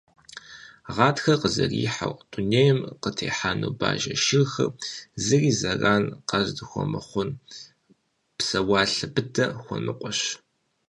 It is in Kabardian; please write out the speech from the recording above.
Гъатхэр къызэрихьэу дунейм къытехьэну бажэ шырхэр, зыри зэран къаздыхуэмыхъун псэуалъэ быдэ хуэныкъуэщ.